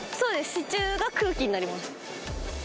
支柱が空気になります